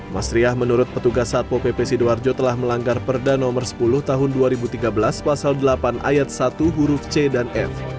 mas riah menurut petugas satpo pp sidoarjo telah melanggar perda nomor sepuluh tahun dua ribu tiga belas pasal delapan ayat satu huruf c dan f